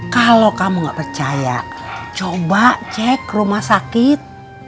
kalau kamu nggak percaya coba cek rumah sakit